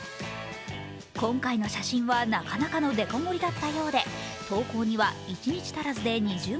今回の写真はなかなかのでか盛りだったようで投稿には一日足らずで２０万